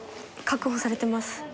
確保されてます。